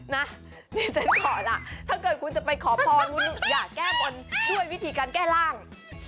นี่ฉันขอล่ะถ้าเกิดคุณจะไปขอพรคุณอยากแก้บนด้วยวิธีการแก้ร่าง